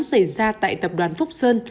xảy ra tại tập đoàn phúc sơn